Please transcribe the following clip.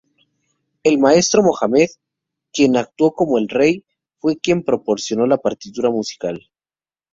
El maestro Mohammed, quien actuó como el rey, fue quien proporcionó la partitura musical.